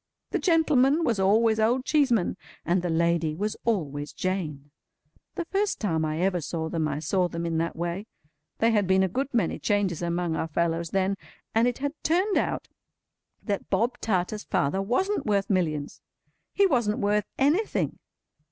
The gentleman was always Old Cheeseman, and the lady was always Jane. The first time I ever saw them, I saw them in that way. There had been a good many changes among our fellows then, and it had turned out that Bob Tarter's father wasn't worth Millions! He wasn't worth anything.